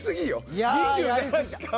いや、やりすぎじゃない。